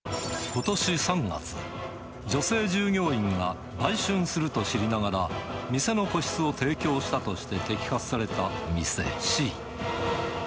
ことし３月、女性従業員が売春すると知りながら、店の個室を提供したとして摘発された店Ｃ。